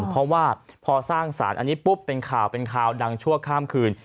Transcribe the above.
เพราะว่าพอสร้างสารอันนี้ปุ๊บเป็นข่าวเป็นข่าวดังชั่วข้ามคืน